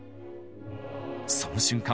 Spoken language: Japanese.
その瞬間